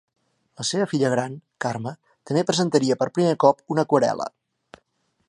La seva filla gran, Carme, també presentaria per primer cop una aquarel·la.